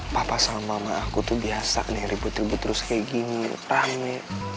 papa sama mama aku tuh biasa nih ribut ribut terus kayak gini rame